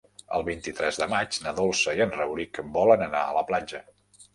El vint-i-tres de maig na Dolça i en Rauric volen anar a la platja.